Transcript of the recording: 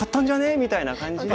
みたいな感じで。